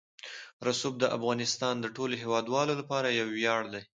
رسوب د افغانستان د ټولو هیوادوالو لپاره یو ویاړ دی.